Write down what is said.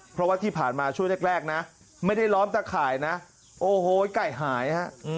เพราะว่าที่ผ่านมาช่วงแรกนะไม่ได้ล้อมตะข่ายนะโอ้โหไก่หายฮะ